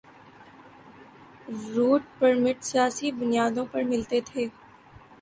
Route permit سیاسی بنیادوں پہ ملتے تھے۔